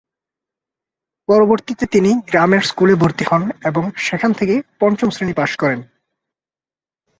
পরবর্তীতে তিনি গ্রামের স্কুলে ভর্তি হন এবং সেখান থেকে পঞ্চম শ্রেণী পাস করেন।